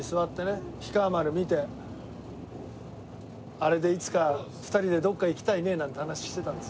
あれでいつか２人でどこか行きたいねなんて話してたんです。